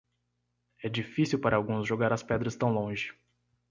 É difícil para alguns jogar as pedras tão longe.